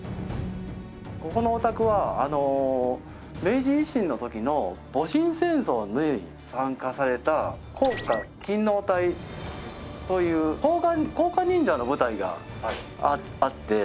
ここのお宅は明治維新の時の戊辰戦争に参加された甲賀勤皇隊という甲賀忍者の部隊があって。